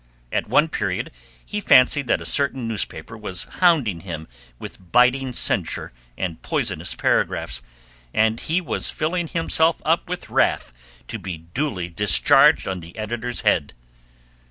At one period he fancied that a certain newspaper was hounding him with biting censure and poisonous paragraphs, and he was filling himself up with wrath to be duly discharged on the editor's head.